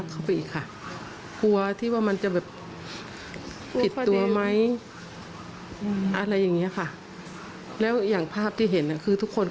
ก็เรียกร้องให้ตำรวจดำเนอคดีให้ถึงที่สุดนะ